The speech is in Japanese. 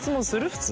普通。